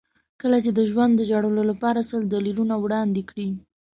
کله چې ژوند د ژړلو لپاره سل دلیلونه وړاندې کړي.